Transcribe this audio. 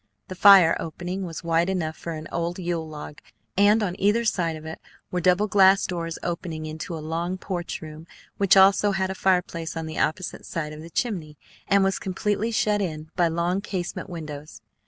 The fire opening was wide enough for an old Yule log, and on either side of it were double glass doors opening into a long porch room, which also had a fireplace on the opposite side of the chimney, and was completely shut in by long casement windows.